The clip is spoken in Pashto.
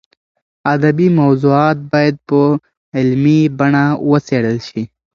ادبي موضوعات باید په علمي بڼه وڅېړل شي.